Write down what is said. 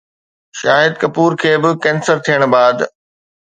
شاهد ڪپور کي به ڪينسر ٿيڻ بعد؟